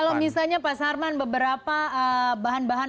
kalau misalnya pak sarman beberapa bahan bahan